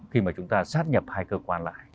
khi mà chúng ta sát nhập hai cơ quan lại